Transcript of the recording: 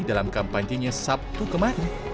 dalam kampanjenya sabtu kemarin